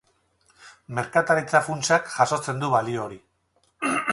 Merkataritza-funtsak jasotzen du balio hori.